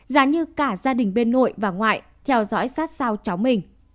giá như cả gia đình bên nội và ngoại theo dõi sát sao cháu mình